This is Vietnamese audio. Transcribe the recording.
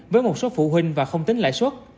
với một số phụ huynh và không tính lãi suất